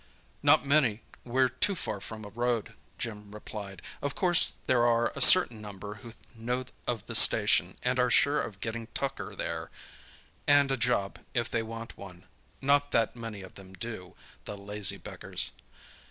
"Not many—we're too far from a road," Jim replied. "Of course there are a certain number who know of the station, and are sure of getting tucker there—and a job if they want one—not that many of them do, the lazy beggars.